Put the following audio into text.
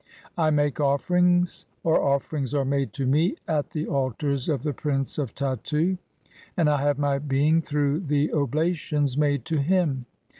I make offerings (or offerings are made to me) (10) at "the altars of the Prince of Tattu, and I have my being through "the oblations [made to] him.